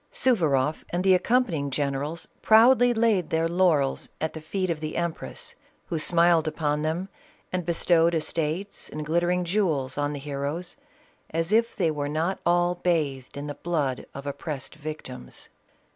Suvaroff and the accompanying generals proudly laid their lau rels at the feet of the empress, who smiled upon them and bestowed estates and glittering jewels on the he roes, as if they were not all bathed in the blood of op pressed victims.